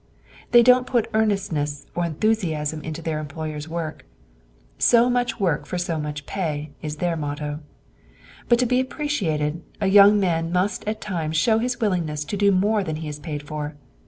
They don't put earnestness or enthusiasm into their employer's work. So much work for so much pay, is their motto. But to be appreciated, a young man must at times show his willingness to do more than he is paid for.